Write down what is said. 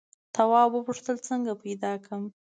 تواب وپوښتل څنګه پیدا کړم.